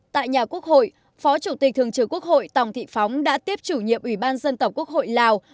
tại nhà quốc hội phó chủ tịch thường trực quốc hội tòng thị phóng đã tiếp chủ nhiệm ủy ban dân tộc quốc hội lào